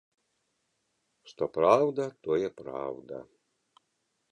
Што праўда, тое праўда.